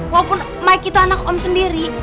walaupun mike itu anak om sendiri